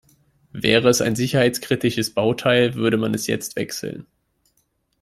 Wäre es ein sicherheitskritisches Bauteil, würde man es jetzt wechseln.